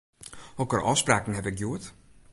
Hokker ôfspraken haw ik hjoed?